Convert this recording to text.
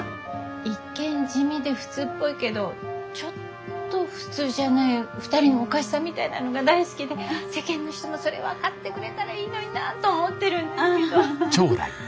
一見地味で普通っぽいけどちょっと普通じゃない２人のおかしさみたいなのが大好きで世間の人もそれ分かってくれたらいいのになと思ってるんですけど。